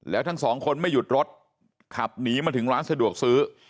แล้วทั้งสองคนไม่หยุดรถขับหนีมาถึงร้านสะดวกซื้อ